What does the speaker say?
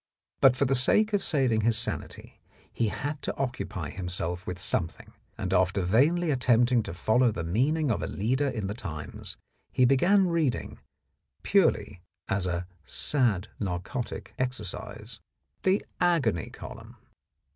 But for the sake of saving his sanity he had to occupy himself with something, and after vainly at tempting to follow the meaning of a leader in the Times, he began reading, purely as a "sad narcotic exercise," the Agony column.